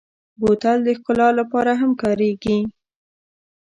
بوتل د ښکلا لپاره هم کارېږي.